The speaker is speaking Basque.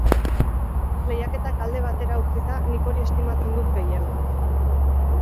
Lehiaketak alde batera utzita, nik hori estimatzen dut gehien.